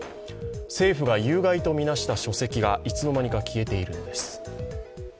政府が有害と見なした書籍がいつのまにか消えているのです。